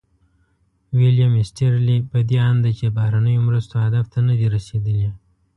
ویلیم ایسټیرلي په دې اند دی چې بهرنیو مرستو هدف ته نه دي رسیدلي.